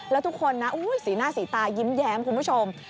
แล้วทุกคนนะสีหน้าสีตายิ้มแย้มคุณผู้ชม